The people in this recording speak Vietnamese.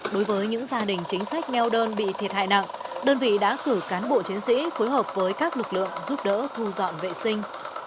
đối với những gia đình chính sách neo đơn bị thiệt hại nặng đơn vị đã cử cán bộ chiến sĩ phối hợp với các lực lượng giúp đỡ thu dọn vệ sinh